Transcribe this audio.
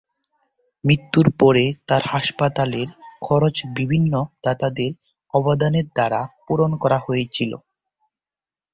মৃত্যুর পরে তাঁঁর হাসপাতালের খরচ বিভিন্ন দাতাদের অবদানের দ্বারা পূরণ করা হয়েছিল।